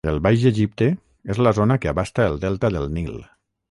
El Baix Egipte és la zona que abasta el delta del Nil.